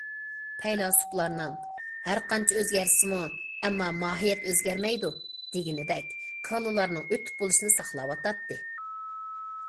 پەيلاسوپلارنىڭ‹‹ ھەر قانچە ئۆزگەرسىمۇ، ئەمما ماھىيەت ئۆزگەرمەيدۇ›› دېگىنىدەك كالىلارنىڭ ئۆتۈپ بولۇشىنى ساقلاۋاتاتتى.